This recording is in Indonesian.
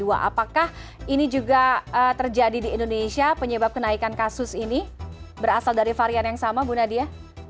apakah ini juga terjadi di indonesia penyebab kenaikan kasus ini berasal dari varian yang sama bu nadia